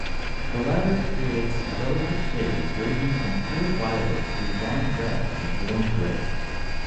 The latter creates delicate shades ranging from pure violet through wine-red and warm grey.